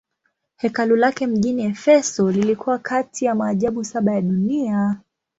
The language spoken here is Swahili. Hekalu lake mjini Efeso lilikuwa kati ya maajabu saba ya dunia.